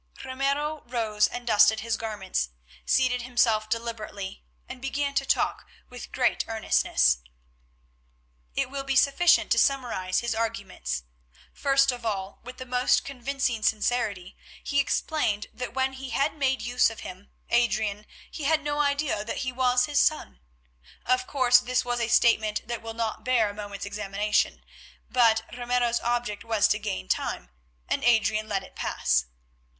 Ramiro rose, dusted his garments, seated himself deliberately, and began to talk with great earnestness. It will be sufficient to summarise his arguments. First of all, with the most convincing sincerity, he explained that when he had made use of him, Adrian, he had no idea that he was his son. Of course this was a statement that will not bear a moment's examination, but Ramiro's object was to gain time, and Adrian let it pass.